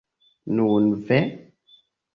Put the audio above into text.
Nun, ve!